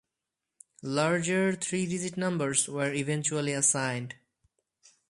Larger three-digit numbers were eventually assigned.